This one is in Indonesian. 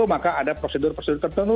maka ada prosedur prosedur tertentu